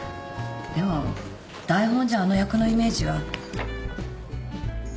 でも台本じゃあの役のイメージは。